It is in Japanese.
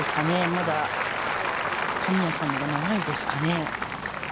まだ神谷さんの方が長いですかね。